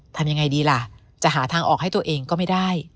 ทำยังไงดีล่ะจะหาทางออกให้ตัวเองก็ไม่ได้